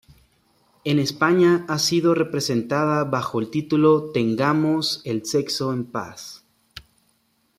En España ha sido representada bajo el título "Tengamos el sexo en paz".